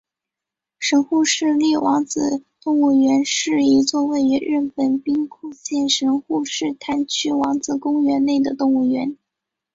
神户市立王子动物园是一座位于日本兵库县神户市滩区王子公园内的动物园。